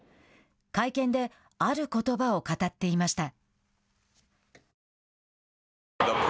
会見で、あることばを語っていました。